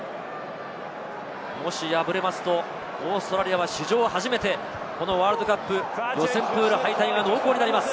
もし敗れるとオーストラリアは史上初めてこのワールドカップ、予選プール敗退が濃厚になります。